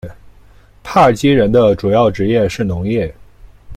帕基人的主要职业是农业。